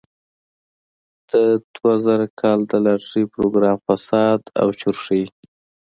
د دوه زره کال د لاټرۍ پروګرام فساد او چور ښيي.